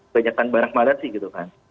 banyakkan barang malam sih gitu kan